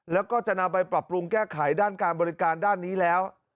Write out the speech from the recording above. แล้วก็จะนำไปปรับปรุงแก้ไขด้านการบริการด้านนี้แล้ว